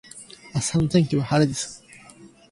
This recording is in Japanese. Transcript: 明日の天気は晴れです。